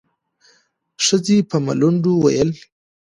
ښځې په ملنډو وويل.